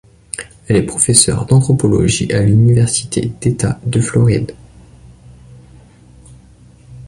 Elle est professeur d'anthropologie à l'université d'État de Floride.